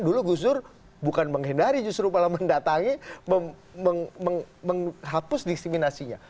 dulu gusdur bukan menghindari justru malah mendatangi menghapus disiminasinya